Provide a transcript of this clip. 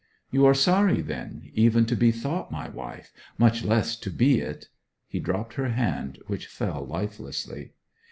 'You are sorry, then, even to be thought my wife, much less to be it.' He dropped her hand, which fell lifelessly.